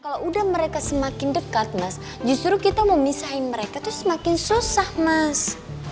kalau udah mereka semakin dekat mas justru kita memisahkan mereka itu semakin susah mas